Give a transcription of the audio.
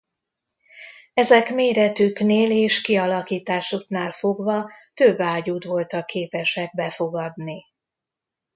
Ezek méretüknél és kialakításuknál fogva több ágyút voltak képesek befogadni.